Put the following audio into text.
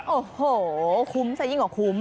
โอ้โหคุ้มซะยิ่งกว่าคุ้ม